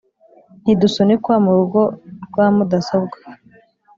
ntidusunikwa mu rugo rwa mudasobwa